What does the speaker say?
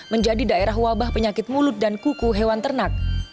menjadi daerah wabah penyakit mulut dan kuku hewan ternak